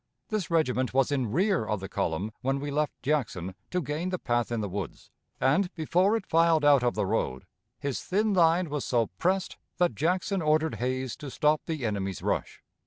This regiment was in rear of the column when we left Jackson to gain the path in the woods, and, before it filed out of the road, his thin line was so pressed that Jackson ordered Hayes to stop the enemy's rush.